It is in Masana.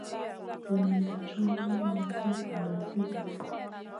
Boneyda co wa, nan sli balla sliwna.